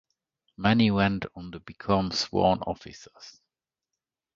Many went on to become sworn officers.